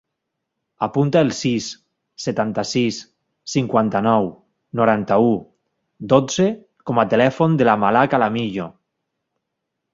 Apunta el sis, setanta-sis, cinquanta-nou, noranta-u, dotze com a telèfon de la Malak Alamillo.